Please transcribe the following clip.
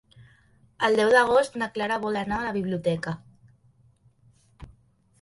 El deu d'agost na Clara vol anar a la biblioteca.